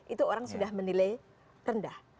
itu orang sudah menilai rendah